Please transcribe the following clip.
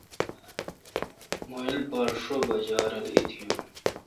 مہ ایلپار شو بجا رل اتییون